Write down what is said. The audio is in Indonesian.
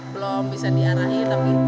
belum bisa diarahin tapi